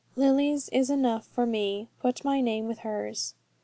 Lily's is enough for me: put my name with hers."